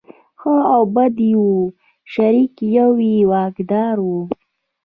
ښه او بد یې وو شریک یو یې واکدار و.